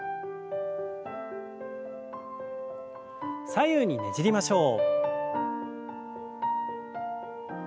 左右にねじりましょう。